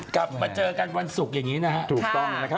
กลับมาเจอกันวันศุกร์อย่างนี้นะครับ